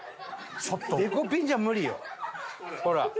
デコピンじゃ無理よ。